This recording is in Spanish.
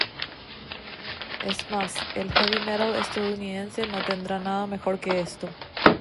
Es más, el heavy metal estadounidense no tendrá nada mejor que esto.